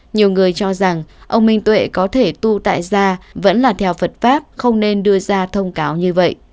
nhiều người cho rằng ông minh tuệ có thể tu tại ra vẫn là theo phật pháp không nên đưa ra thông cáo như vậy